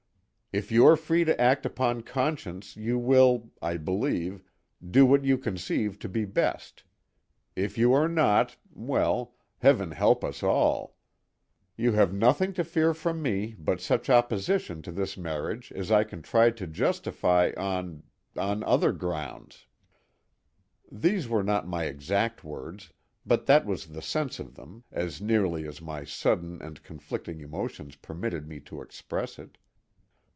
If you are free to act upon conscience you will, I believe, do what you conceive to be best; if you are not—well, Heaven help us all! You have nothing to fear from me but such opposition to this marriage as I can try to justify on—on other grounds." These were not my exact words, but that was the sense of them, as nearly as my sudden and conflicting emotions permitted me to express it.